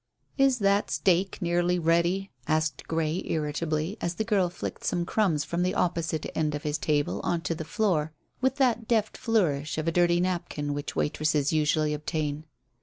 "Is that steak nearly ready?" asked Grey irritably, as the girl flicked some crumbs from the opposite end of his table on to the floor, with that deft flourish of a dirty napkin which waitresses usually obtain.